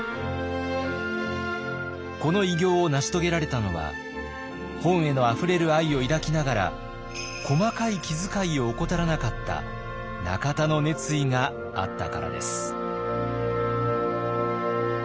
この偉業を成し遂げられたのは本へのあふれる愛を抱きながら細かい気づかいを怠らなかった中田の熱意があったからです。